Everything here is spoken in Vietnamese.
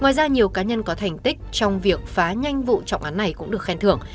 ngoài ra nhiều cá nhân có thành tích trong việc phá nhanh vụ trọng án này cũng được khen thưởng